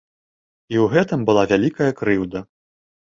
І ў гэтым была вялікая крыўда.